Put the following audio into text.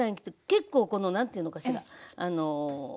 結構この何ていうのかしらあの。